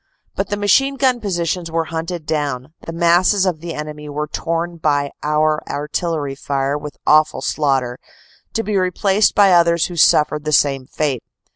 But machine gun positions were hunted down, the masses of the enemy were torn by our artillery fire with awful slaughter, to be replaced by others who suffered the same fate.